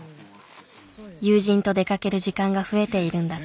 友人と出かける時間が増えているんだって。